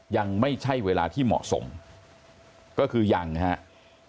ยังไม่ใช่เวลาที่เหมาะสมก็คือยังครับ